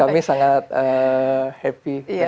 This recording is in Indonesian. kami sangat happy dengan performanya